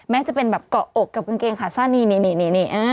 แม้จะเป็นแบบเกาะอกกับกางเกงขาสั้นนี้นี่นี่นี่นี่